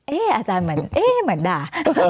อาจารย์เหมือนเอ๊ะเหมือนด่า